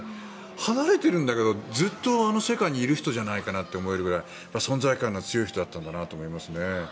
離れているんだけどずっとあの世界にいる人じゃないかなというくらい存在感が強い人だったんだなという気がしますね。